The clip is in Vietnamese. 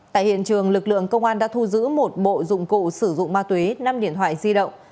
tại hiện trường lực lượng công an đã thu giữ một bộ dụng cụ sử dụng ma túy năm điện thoại di động